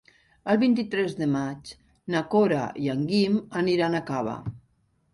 El vint-i-tres de maig na Cora i en Guim aniran a Cava.